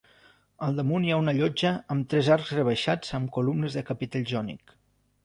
Al damunt hi ha una llotja amb tres arcs rebaixats amb columnes de capitell jònic.